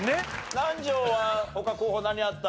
南條は他候補何あった？